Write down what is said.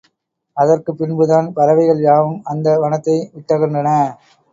அதற்குப் பின்புதான் பறவைகள் யாவும் அந்த வனத்தை விட்டகன்றன.